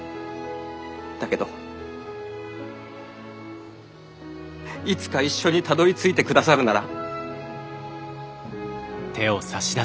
だけどいつか一緒にたどりついてくださるなら。